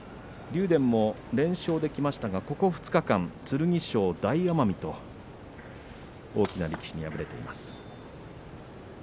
竜電も連勝できましたがここ２日間、剣翔、大奄美という大きな力士に敗れています。